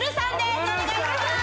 お願いします